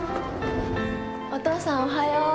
お父さんおはよう。